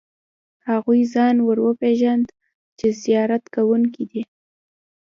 هغوی ځان ور وپېژاند چې زیارت کوونکي دي.